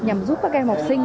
nhằm giúp các gai học sinh